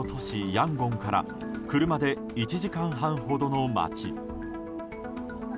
ヤンゴンから車で１時間半ほどの街。